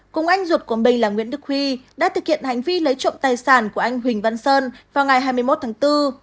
cùng anh ruột của mình là nguyễn đức huy đã thực hiện hành vi lấy trộm tài sản của anh huỳnh văn sơn vào ngày hai mươi một tháng bốn